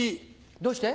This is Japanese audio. どうして？